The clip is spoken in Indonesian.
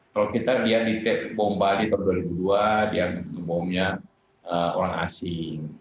kalau kita lihat di tep bomba di tahun dua ribu dua dia ngebomnya orang asing